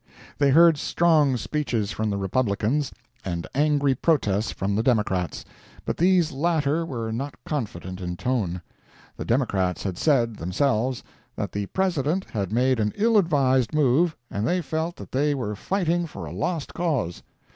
They heard strong speeches from the Republicans, and angry protests from the Democrats—but these latter were not confident in tone. The Democrats had said, themselves, that the President had made an ill advised move and they felt that they were fighting for a lost cause.